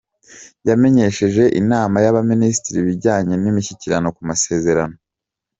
yamenyesheje Inama y‟Abaminisitiri ibijyanye n‟imishyikirano ku masezerano